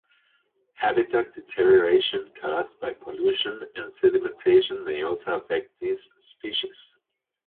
Habitat deterioration caused by pollution and sedimentation may also affect this species.